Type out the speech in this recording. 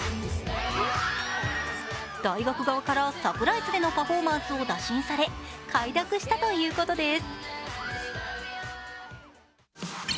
大学側からサプライズでのパフォーマンスを打診され、快諾したということです。